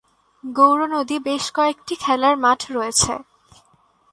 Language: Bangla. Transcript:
গৌরনদী বেশ কয়েকটি খেলার মাঠ রয়েছে।